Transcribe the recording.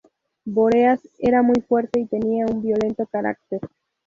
Bóreas era muy fuerte y tenía un violento carácter.